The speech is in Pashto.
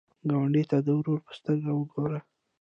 ګاونډي ته د ورور په سترګه وګوره